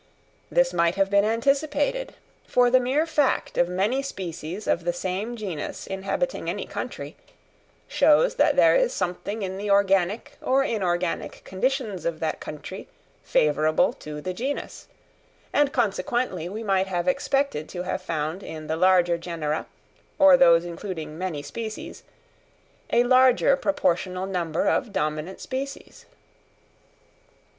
This might have been anticipated, for the mere fact of many species of the same genus inhabiting any country, shows that there is something in the organic or inorganic conditions of that country favourable to the genus; and, consequently, we might have expected to have found in the larger genera, or those including many species, a larger proportional number of dominant species.